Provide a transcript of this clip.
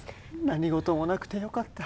何事もなくてよかった。